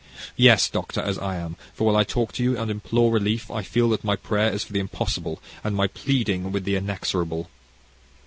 Yes, Doctor, as I am, for a while I talk to you, and implore relief, I feel that my prayer is for the impossible, and my pleading with the inexorable."